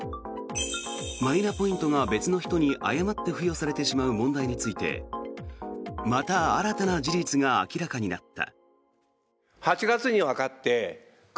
マイナポイントが別の人に誤って付与されてしまう問題についてまた新たな事実が明らかになった。